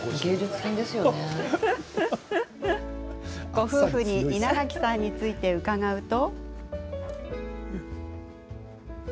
ご夫婦に稲垣さんについて伺うと。